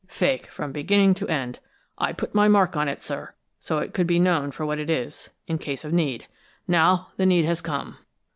Fake, from beginning to end! I put my mark on it, sir, so it could be known for what it is, in case of need. Now the need has come."